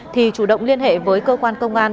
thì chủ động liên hệ với cơ quan công an